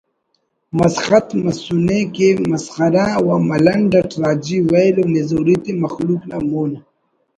مسخت مسنے کہ مسخرہ و ملنڈ اٹ راجی ویل و نزوری تے مخلوق نا مون